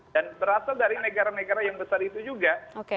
dan berasal dari negara negara yang besar itu juga